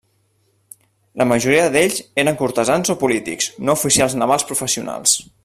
La majoria d'ells eren cortesans o polítics, no oficials navals professionals.